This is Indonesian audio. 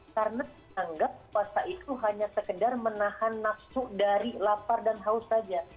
karena anggap puasa itu hanya sekedar menahan nafsu dari lapar dan haus saja